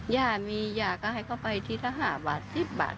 ย่ามีย่าก็ให้เขาไปทีละ๕บาท๑๐บาท